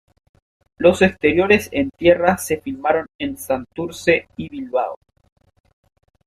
Los exteriores en tierra se filmaron en Santurce y Bilbao.